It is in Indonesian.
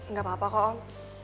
nggak apa apa kok om